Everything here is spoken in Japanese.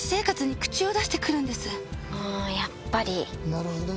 なるほどね。